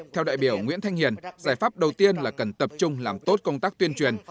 theo đại biểu nguyễn thanh hiền giải pháp đầu tiên là cần tập trung làm tốt công tác tuyên truyền